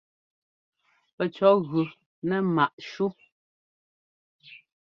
Pɛcɔ̌ gʉ nɛ ḿmaꞌ shú.